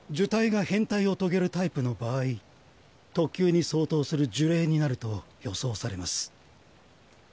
胎が変態を遂げるタイプの場合特級に相当する呪霊になると予想されます。